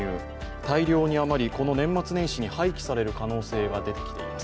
大量に余り、この年末年始に廃棄される可能性が出てきています。